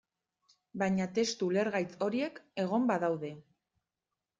Baina testu ulergaitz horiek egon badaude.